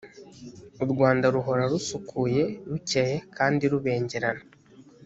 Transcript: u rwanda ruhora rusukuye rukeye kandi rubengerana